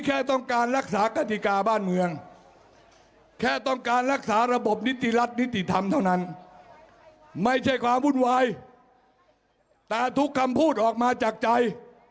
การทุกคำพูดออกมาจากใจ